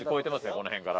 この辺から。